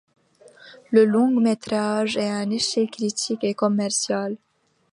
Le long-métrage est un échec critique et commercial.